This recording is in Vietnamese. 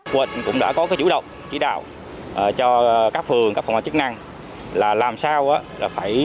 quận cũng đã có cái chủ động chỉ đạo cho các phường các phòng chức năng là làm sao là phải